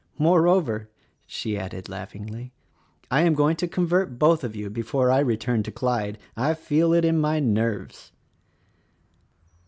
Moreover," she added laughingly, "I am going to convert both of you before I return to Clyde ; I feel it in my nerves."